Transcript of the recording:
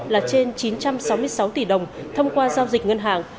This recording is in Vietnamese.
là trên chín trăm sáu mươi sáu tỷ đồng thông qua giao dịch ngân hàng